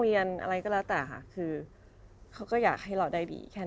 อะไรก็แล้วแต่ค่ะคือเขาก็อยากให้เราได้ดีแค่